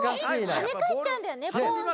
はねかえっちゃうんだよねポンッて。